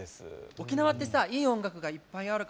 沖縄ってさいい音楽がいっぱいあるからさ。